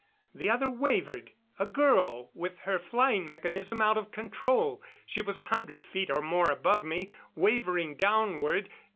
The other wavered a girl with her flying mechanism out of control. She was a hundred feet or more above me, wavering downward.